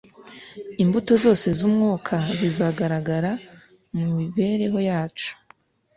imbuto zose z'Umwuka zizagaragara mu mibereho yacu.